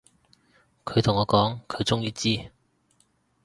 佢同我講，佢終於知